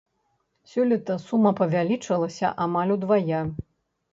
Сёлета сума павялічылася амаль удвая.